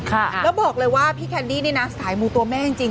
แล้วบอกเลยว่าพี่แคนดี้นี่นะสายมูตัวแม่จริง